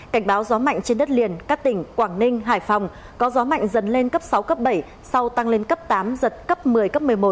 cảnh báo gió mạnh trên đất liền các tỉnh quảng ninh hải phòng có gió mạnh dần lên cấp sáu cấp bảy sau tăng lên cấp tám giật cấp một mươi cấp một mươi một